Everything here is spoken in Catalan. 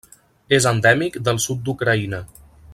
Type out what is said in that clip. És endèmic del sud d'Ucraïna.